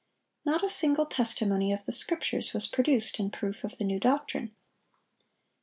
Not a single testimony of the Scriptures was produced in proof of the new doctrine.